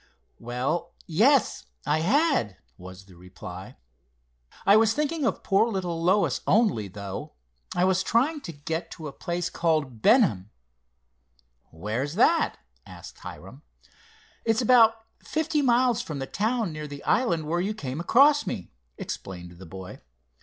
"Well, yes, I had," was the reply. "I was thinking of poor little Lois only, though. I was trying to get to a place called Benham." "Where's that?" asked Hiram. "It's about fifty miles from the town near the island where you came across me," explained the boy.